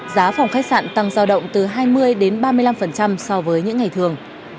giá phòng khách sạn tăng giao động từ hai mươi ba mươi năm so với những ngày trước